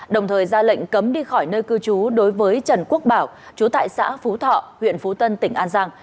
đồng thời ra lệnh cấm đi khỏi nơi cư trú đối với trần quốc bảo chú tại xã phú thọ huyện phú tân tỉnh an giang